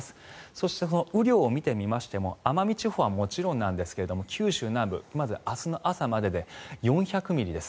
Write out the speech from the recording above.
そして、雨量を見てみましても奄美地方はもちろんですが九州南部明日の朝までで４００ミリです。